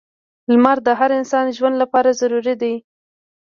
• لمر د هر انسان ژوند لپاره ضروری دی.